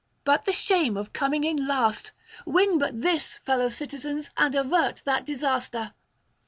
But the shame of coming in last! Win but this, fellow citizens, and avert that disaster!'